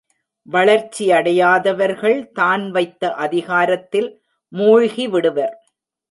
வளர்ச்சியடையாதவர்கள் தான் வைத்த அதிகாரத்தில் மூழ்கிவிடுவர்.